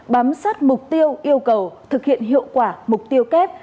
bám sát mục tiêu yêu cầu thực hiện hiệu quả mục tiêu kép